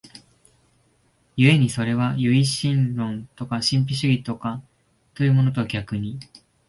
故にそれは唯心論とか神秘主義とかいうものとは逆に、